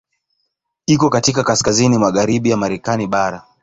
Iko katika kaskazini magharibi ya Marekani bara.